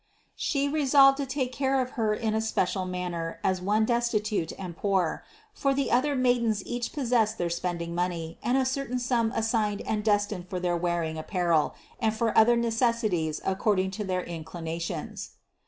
She resolved to take care of Her in a special manner as one destitute and poor; for the other maidens each possessed their spend ing money and a certain sum assigned and destined for their wearing apparel and for other necessities according to their inclinations.